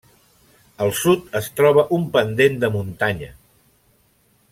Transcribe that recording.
Al sud es troba un pendent de muntanya.